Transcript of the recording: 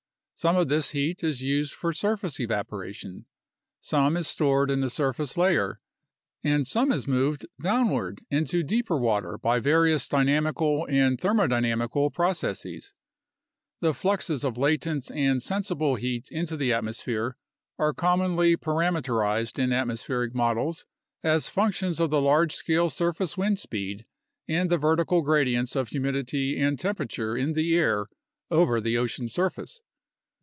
Some of this heat is used for surface evaporation, some is stored in the surface layer, and some is moved downward into deeper water by various dynamical and thermodynamical processes. The fluxes of latent and sensible heat into the atmosphere are commonly parameterized in atmospheric models as functions of the large scale surface wind speed and the vertical gradients of humidity and temperature in the air over the ocean surface.